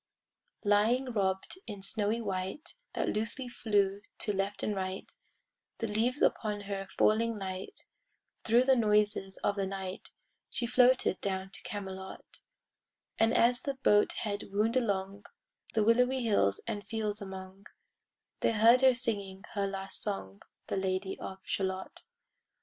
Lying robed in snowy white That loosely flew to left and right— The leaves upon her falling light— Thro' the noises of the night She floated down to Camelot: And as the boat head wound along The willowy hills and fields among, They heard her singing her last song, The Lady of Shalott.